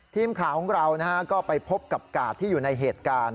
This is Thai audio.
ทีมข่าวของเราก็ไปพบกับกาดที่อยู่ในเหตุการณ์